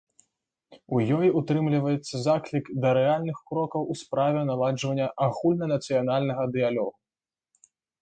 У ёй утрымліваецца заклік да рэальных крокаў у справе наладжвання агульнанацыянальнага дыялогу.